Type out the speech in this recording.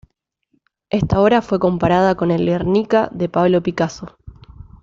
Esta obra fue comparada con el "Guernica", de Pablo Picasso.